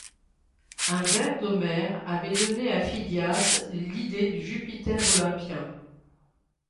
Un vers d'Homère avait donné à Phidias l'idée du Jupiter Olympien.